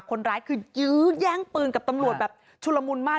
คนร้ายคือยื้อแย่งปืนกับตำรวจแบบชุลมุนมาก